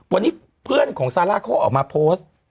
วันนี้เพื่อนของซาร่าเขาออกมาโพสต์